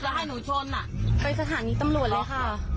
จะให้หนูชนล่ะไปสถานีตำรวจเลยค่ะ